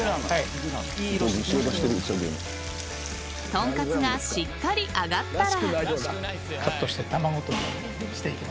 とんかつがしっかり揚がったら。